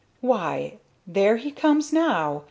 "Why! There he comes now!